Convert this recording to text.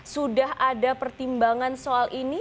sudah ada pertimbangan soal ini